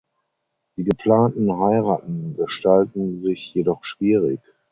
Die geplanten Heiraten gestalten sich jedoch schwierig.